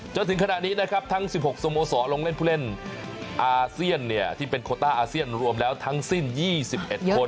จนถึงขณะนี้นะครับทั้ง๑๖สโมสรลงเล่นผู้เล่นอาเซียนที่เป็นโคต้าอาเซียนรวมแล้วทั้งสิ้น๒๑คน